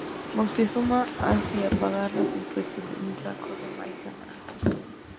Moctezuma hacía pagar los impuestos en sacos de maíz y amaranto.